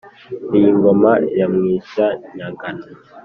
iyi ngoma ya mwishya-nyagano